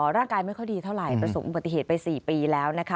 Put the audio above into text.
ร่างกายไม่ค่อยดีเท่าไหร่ประสบอุบัติเหตุไป๔ปีแล้วนะคะ